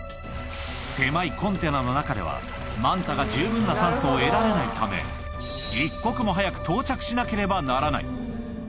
狭いコンテナの中では、マンタが十分な酸素を得られないため、一刻も早く到着しなければならない。